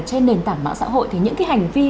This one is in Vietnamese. trên nền tảng mạng xã hội thì những cái hành vi